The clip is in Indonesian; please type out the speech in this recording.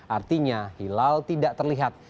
artinya hilal tidak terlihat